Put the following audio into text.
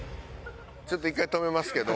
ちょっと１回止めますけど。